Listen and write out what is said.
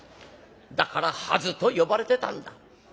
だから『ハズ』と呼ばれてたんだ。